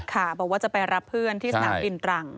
บอกว่าจะไปรับเพื่อนที่สนามบินตรัง